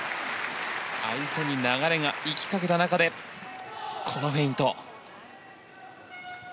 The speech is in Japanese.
相手に流れが行きかけた中でこのフェイント。